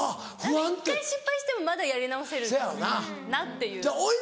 １回失敗してもまだやり直せるなっていう。